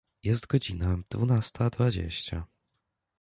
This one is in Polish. Jest godzina dwunasta dwadzieścia.